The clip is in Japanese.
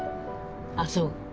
「あっそう。